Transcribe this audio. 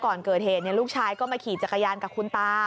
ก่อนเกิดเหตุลูกชายก็มาขี่จักรยานกับคุณตา